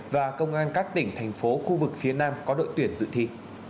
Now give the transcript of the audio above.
và công an các tỉnh thành phố khu vực phía nam có đội tuyển dự thi